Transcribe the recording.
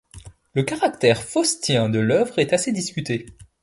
Le caractère faustien de l'œuvre est assez discuté.